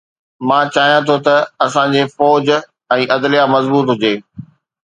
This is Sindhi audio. مان چاهيان ٿو ته اسان جي فوج ۽ عدليه مضبوط هجي.